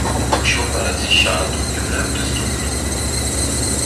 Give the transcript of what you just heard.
O show parece chato e muito estúpido.